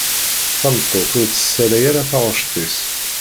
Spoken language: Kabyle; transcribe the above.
Tameṭṭut ur tessalay ara taɣect-is.